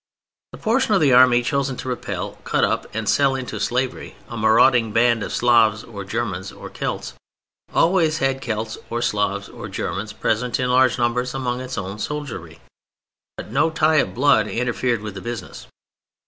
The portion of the Army chosen to repel, cut up, and sell into slavery a marauding band of Slavs or Germans or Celts, always had Celts or Slavs or Germans present in large numbers among its own soldiery. But no tie of blood interfered with the business.